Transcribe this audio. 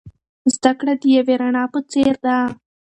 زده کړه د یوې رڼا په څیر ده.